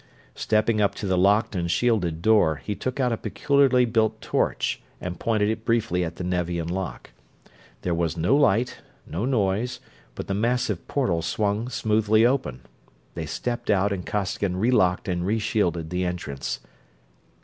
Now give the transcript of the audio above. Stepping up to the locked and shielded door, he took out a peculiarly built torch and pointed it briefly at the Nevian lock. There was no light, no noise, but the massive portal swung smoothly open. They stepped out and Costigan relocked and reshielded the entrance.